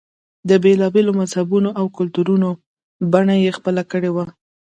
د بېلا بېلو مذهبونو او کلتورونو بڼه یې خپله کړې وه.